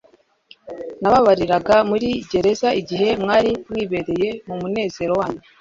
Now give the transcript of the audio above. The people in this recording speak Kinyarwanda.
Nababariraga muri gereza igihe mwari mwibereye mu munezero wanyu.